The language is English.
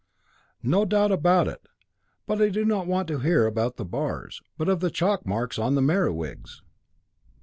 "No doubt about it. But I do not want to hear about the bars, but of the chalk marks on the Merewigs."